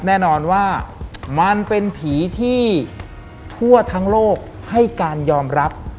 แน่นอนว่ามันเป็นผีที่ทั่วทั้งโลกให้การยอมรับ